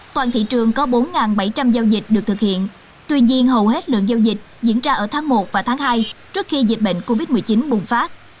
toàn thị trường có bốn bảy trăm linh giao dịch được thực hiện tuy nhiên hầu hết lượng giao dịch diễn ra ở tháng một và tháng hai trước khi dịch bệnh covid một mươi chín bùng phát